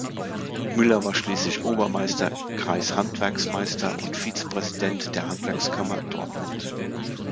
Müller war schließlich Obermeister, Kreishandwerksmeister und Vizepräsident der Handwerkskammer Dortmund.